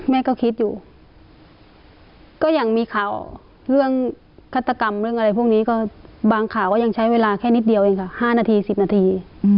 แม่ก็คิดอยู่ก็ยังมีข่าวเรื่องฆาตกรรมเรื่องอะไรพวกนี้ก็บางข่าวก็ยังใช้เวลาแค่นิดเดียวเองค่ะ๕นาที๑๐นาที